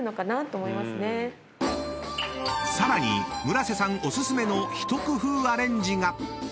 ［さらに村瀬さんお薦めの一工夫アレンジが］